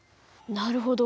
なるほど。